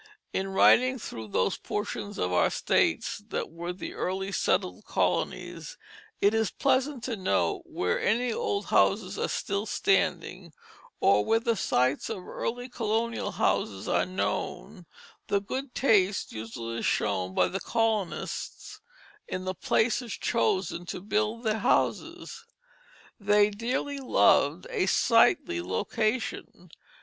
In riding through those portions of our states that were the early settled colonies, it is pleasant to note where any old houses are still standing, or where the sites of early colonial houses are known, the good taste usually shown by the colonists in the places chosen to build their houses. They dearly loved a "sightly location."